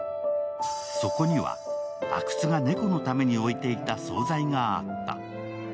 そこには、阿久津が猫のために置いていた総菜があった。